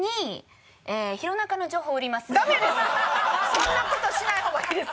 そんな事しない方がいいですよ。